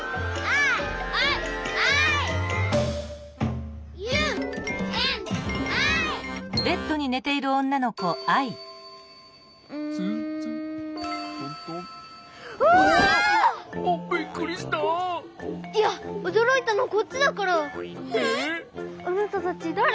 あなたたちだれ？